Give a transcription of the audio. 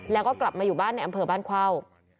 แล้วก็กลับมาอยู่บ้านในอำเภอบ้านเข้า